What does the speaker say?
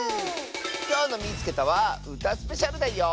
きょうの「みいつけた！」はうたスペシャルだよ！